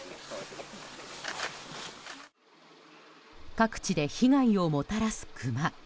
各地で被害をもたらすクマ。